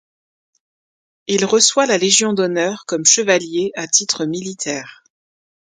Il reçoit la Légion d'honneur, comme chevalier, à titre militaire.